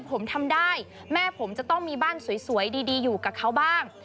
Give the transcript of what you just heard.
ผมทำได้แม่ผมจะต้องมีบ้านสวยดีอยู่กับเขาบ้าง